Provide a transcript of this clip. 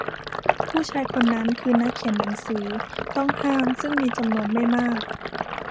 ผู้ชายคนนั้นคือนักเขียนหนังสือต้องห้ามซึ่งมีจำนวนไม่มาก